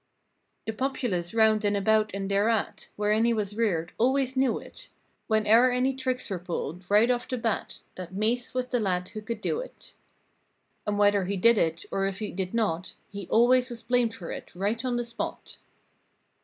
The populace 'round and about and thereat. Wherein he was reared, always knew it. When e'er any tricks were pulled, right off the bat. That "Mase" was the lad who could do it. And whether he did it, or if he did not. He always was blamed for it, right on the spot.